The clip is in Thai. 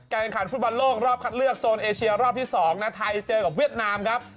ขันฟุตบอลโลกรอบคัดเลือกโซนเอเชียรอบที่๒นะไทยเจอกับเวียดนามครับ